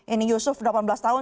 ini yusuf delapan belas tahun